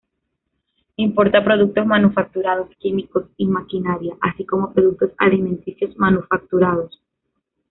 Importa productos manufacturados, químicos y maquinaria, así como productos alimenticios manufacturados.